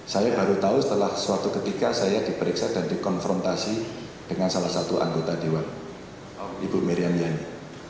saya baru tahu setelah suatu ketika saya diperiksa dan dikonfrontasi dengan salah satu anggota dewan ibu meriam yani